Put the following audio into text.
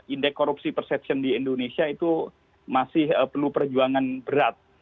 indeks korupsi perception di indonesia itu masih perlu perjuangan berat